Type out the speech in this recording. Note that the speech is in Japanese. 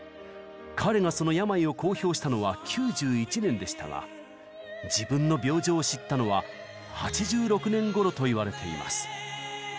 彼がその病を公表したのは９１年でしたが自分の病状を知ったのは８６年ごろといわれています。